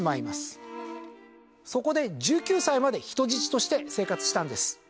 そこで１９歳まで人質として生活したんです。